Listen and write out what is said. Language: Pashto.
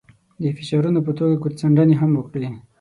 د فشارونو په توګه ګوتڅنډنې هم کړي.